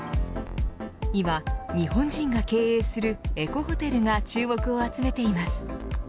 今、日本人が経営するエコホテルが注目を集めています。